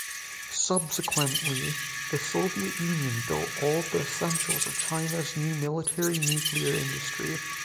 Subsequently, the Soviet Union built all the essentials of China's new military nuclear industry.